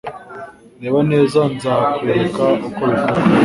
Reba neza, nzakwereka uko bikorwa.